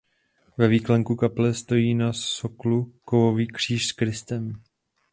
Ve výklenku kaple stojí na soklu kovový kříž s Kristem.